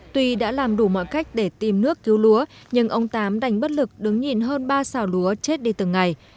tuy đã làm đủ mọi cách để tìm nước cứu lúa nhưng ông tám đánh bất lực đứng nhìn hơn ba xào lúa chết đi từng ngày